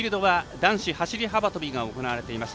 男子走り幅跳びが行われています。